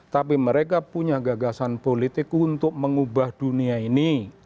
tapi mereka punya gagasan politik untuk mengubah dunia ini